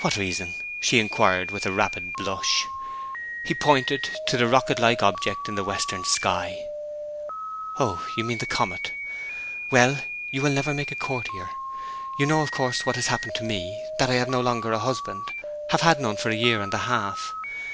'What reason?' she inquired, with a rapid blush. He pointed to the rocket like object in the western sky. 'Oh, you mean the comet. Well, you will never make a courtier! You know, of course, what has happened to me; that I have no longer a husband have had none for a year and a half.